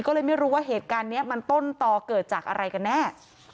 ก็เลยไม่รู้ว่าเหตุการณ์นี้มันต้นต่อเกิดจากอะไรกันแน่